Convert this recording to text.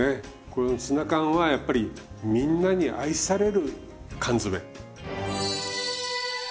このツナ缶はやっぱりみんなに愛される缶詰。